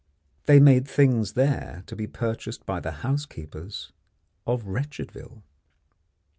They made things there to be purchased by the housekeepers of Wretchedville.